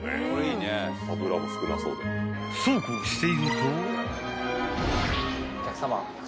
［そうこうしていると］